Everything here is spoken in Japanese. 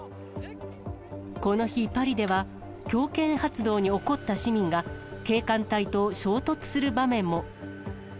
この日、パリでは強権発動に怒った市民が、警官隊と衝突する場面も。